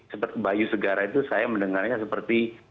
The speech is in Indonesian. seperti bayu segara itu saya mendengarnya seperti